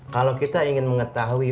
kalau kita ingin mengetahui